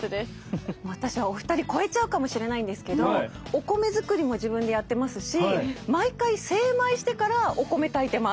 私はお二人超えちゃうかもしれないんですけどお米作りも自分でやってますし毎回精米してからお米炊いてます。